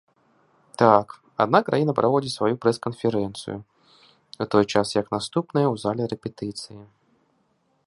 Так, адна краіна праводзіць сваю прэс-канферэнцыю, у той час як наступная ў зале рэпетыцыі.